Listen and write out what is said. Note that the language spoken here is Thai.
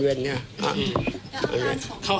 ก็ไม่รู้เรื่องว่า